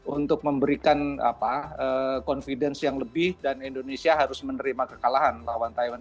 untuk memberikan confidence yang lebih dan indonesia harus menerima kekalahan lawan taiwan